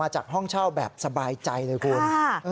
จากห้องเช่าแบบสบายใจเลยคุณ